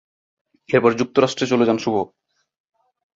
এরপর যুক্তরাষ্ট্রে চলে যান শুভ।